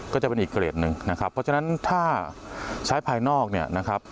ก็จะเป็นอีกเกรดหนึ่งนะครับเพราะฉะนั้นถ้าใช้ภายนอกเนี่ยนะครับ